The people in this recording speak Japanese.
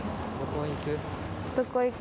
どこ行く？